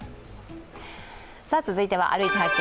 続いては「歩いて発見！